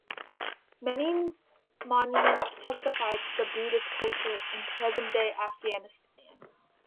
Many monuments testify to the Buddhist culture in present-day Afghanistan.